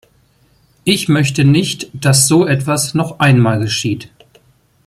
Ich möchte nicht, dass so etwas noch einmal geschieht.